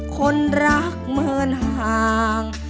คนรักเหมือนห่าง